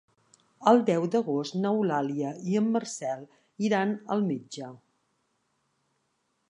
El deu d'agost n'Eulàlia i en Marcel iran al metge.